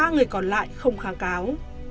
ba người còn lại không kháng cáo